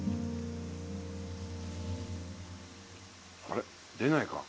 あれ出ないか？